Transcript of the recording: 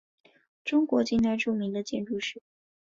中国近代著名的建筑师。